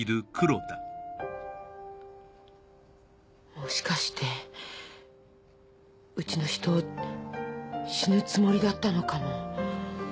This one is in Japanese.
もしかしてうちの人死ぬつもりだったのかも。